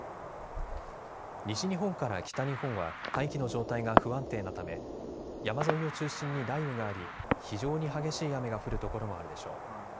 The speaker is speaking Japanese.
西日本から北日本は大気の状態が不安定なため山沿いを中心に雷雨があり、非常に激しい雨が降る所もあるでしょう。